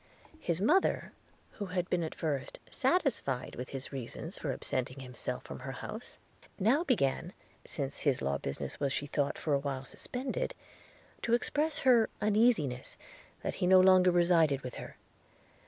His mother, who had been at first satisfied with his reasons for absenting himself from her house, now began (since his law business was she thought for a while suspended) to express her uneasiness that he no longer resided with her.